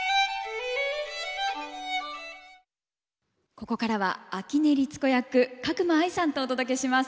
ここからは秋音律子役加隈亜衣さんとお届けします。